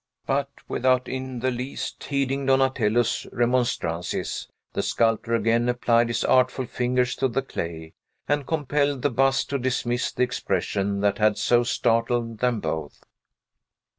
But, without in the least heeding Donatello's remonstrances, the sculptor again applied his artful fingers to the clay, and compelled the bust to dismiss the expression that had so startled them both.